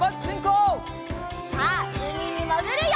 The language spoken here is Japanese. さあうみにもぐるよ！